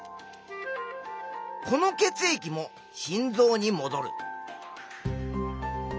この血液も心臓にもどる。